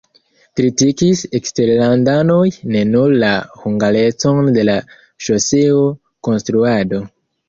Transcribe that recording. Kritikis eksterlandanoj ne nur la hungarecon de la ŝoseo-konstruado.